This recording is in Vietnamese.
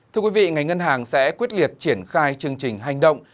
thưa quý vị ngành ngân hàng sẽ quyết liệt triển khai chương trình hành động